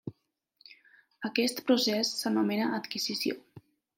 Aquest procés s'anomena adquisició.